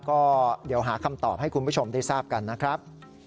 ก็เดี๋ยวหาคำตอบให้คุณผู้ชมได้ทราบกันนะครับ